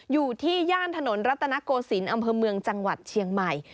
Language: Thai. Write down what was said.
อยู่ที่ย่านถนนรัตนโกศิลป์อำเภอเมืองจังหวัดเชียงใหม่